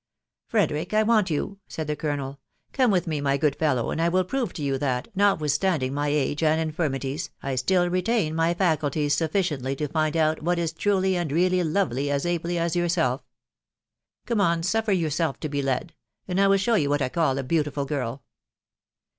" Frederick, I want you," said the colonel. " Come4 with me, my good fellow, and I will prove to you that, notwith standing my age and infirmities, I still retain my faculties inf ficiently to find out what is truly and really lovely as ably as yourself. Come on, suffer yourself to be led, and I wilL show you what I call a beautiful girl."